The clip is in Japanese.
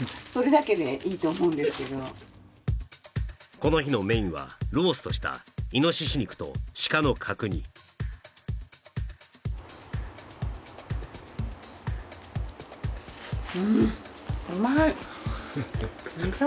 この日のメインはローストしたイノシシ肉と鹿の角煮うん